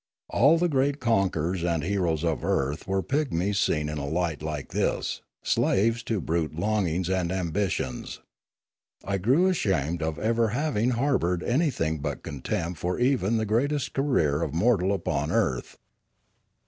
All the great conquerors and heroes of earth were pigmies seen in a light like this, slaves to brute longings and ambi tions. I grew ashamed of ever having harboured any thing but contempt for even the greatest career of mortal upon earth.